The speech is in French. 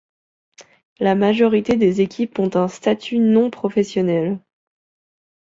La majorité des équipes ont un statut non-professionnel.